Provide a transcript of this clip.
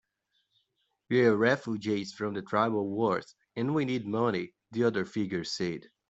"We're refugees from the tribal wars, and we need money," the other figure said.